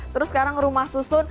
terus sekarang rumah susun